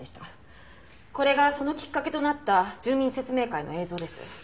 これがそのきっかけとなった住民説明会の映像です。